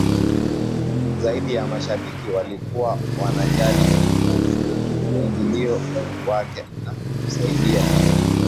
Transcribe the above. zaidi ya mashabiki walikuwa wanajali mwingilio wake na kusaidia